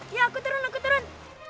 ya aku turun aku turun